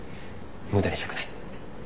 無駄にしたくない。